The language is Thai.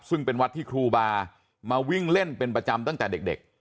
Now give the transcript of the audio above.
ซึ่งเป็นวัดที่ครูบามาวิ่งเล่นเป็นประจำตั้งแต่เด็ก